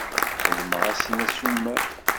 Xedmeɣ-asen assumer.